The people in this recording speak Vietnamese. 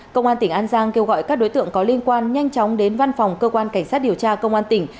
công an tỉnh an giang kêu gọi các đối tượng có liên quan nhanh chóng đến văn phòng cơ quan cảnh sát điều tra công an tỉnh